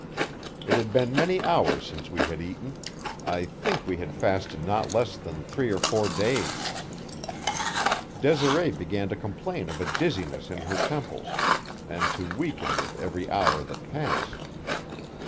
It had been many hours since we had eaten; I think we had fasted not less than three or four days. Desiree began to complain of a dizziness in her temples, and to weaken with every hour that passed.